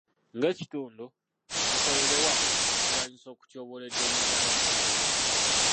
Ng'ekitundu, mukolere wamu okulwanyisa okutyoboola eddembe ly'abakyala.